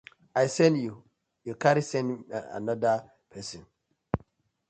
I sen yu, yu carry sen anoda pesin.